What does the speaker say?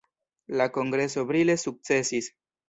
La Kongreso brile sukcesis.